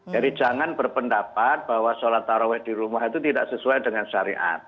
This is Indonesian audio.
jadi jangan berpendapat bahwa sholat tarwah di rumah itu tidak sesuai dengan syariat